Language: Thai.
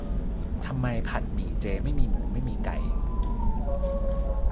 ทำไมผัดหมี่เจไม่มีหมูไม่มีไก่ :'